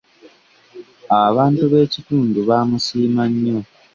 Abantu b'ekitundu baamusiima nnyo.